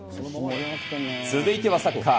続いてはサッカー。